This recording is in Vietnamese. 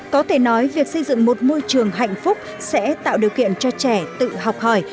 có thể nói việc xây dựng một môi trường hạnh phúc sẽ tạo điều kiện cho trẻ tự học hỏi